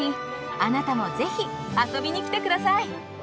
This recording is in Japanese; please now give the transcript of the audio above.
あなたもぜひ遊びに来てください。